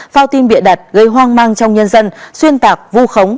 phao tin bịa đặt gây hoang mang trong nhân dân xuyên tạc vu khống